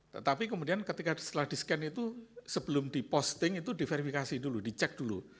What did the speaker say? tetapi kemudian ketika setelah di scan itu sebelum diposting itu diverifikasi dulu dicek dulu